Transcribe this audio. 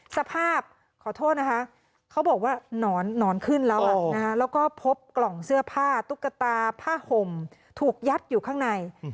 สภาพขอโทษนะคะเขาบอกว่าหนอนขึ้นแล้วแล้วก็พบกล่องเสื้อผ้าตุ๊กตาผ้าห่มถูกยัดอยู่ข้างใน